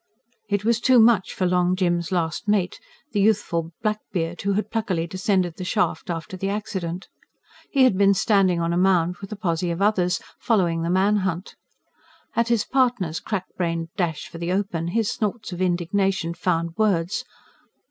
It was too much for Long Jim's last mate, the youthful blackbeard who had pluckily descended the shaft after the accident. He had been standing on a mound with a posse of others, following the man hunt. At his partner's crack brained dash for the open, his snorts of indignation found words.